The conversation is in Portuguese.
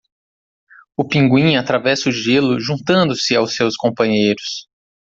O pinguim atravessa o gelo juntando-se aos seus companheiros.